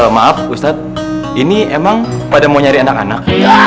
maaf ustadz ini emang pada mau nyari anak anak